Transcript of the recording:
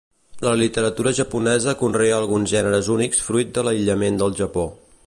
La literatura japonesa conrea alguns gèneres únics fruit de l'aïllament del Japó.